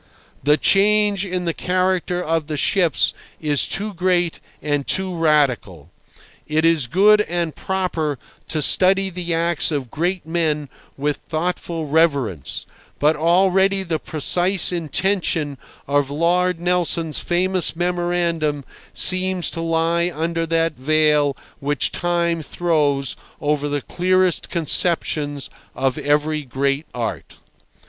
The change in the character of the ships is too great and too radical. It is good and proper to study the acts of great men with thoughtful reverence, but already the precise intention of Lord Nelson's famous memorandum seems to lie under that veil which Time throws over the clearest conceptions of every great art.